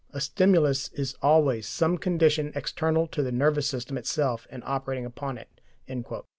A stimulus is always some condition external to the nervous system itself and operating upon it."